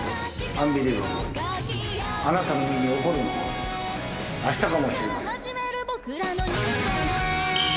あなたの身に起こるのはあしたかもしれません。